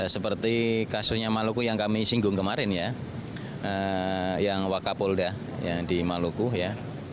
seperti kasusnya maluku yang kami singgung kemarin ya yang wakapolda yang di maluku ya